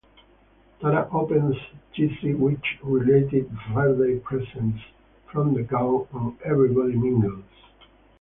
Tara opens cheesy witch-related birthday presents from the gang, and everybody mingles.